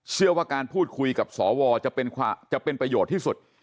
เชื่อว่าการพูดคุยกับสวจะเป็นประโยชน์ที่สุด